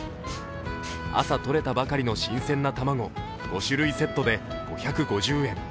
朝とれたばかりの新鮮なたまご、５種類セットで５５０円。